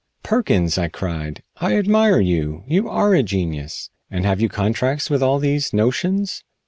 "Perkins!" I cried, "I admire you. You are a genius. And have you contracts with all these notions?"